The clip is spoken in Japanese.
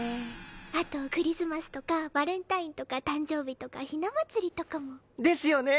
あとクリスマスとかバレンタインとか誕生日とかひな祭りとかも。ですよねえ！